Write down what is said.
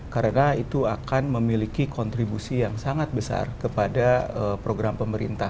karena itu akan memiliki kontribusi yang sangat besar kepada program pemerintah